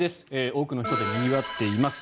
多くの人でにぎわっています。